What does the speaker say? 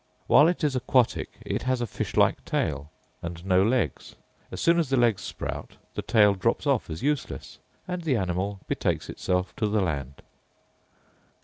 While it is aquatic it has a fish like tail, and no legs: as soon as the legs sprout, the tail drops off as useless, and the animal betakes itself to the land.